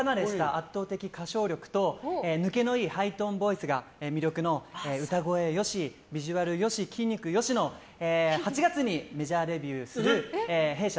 抜けのいいハイトーンボイスが魅力の歌声よしビジュアルよし、筋肉よしの８月のメジャーデビューする弊社